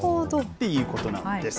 ということなんです。